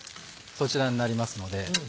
そちらになりますので。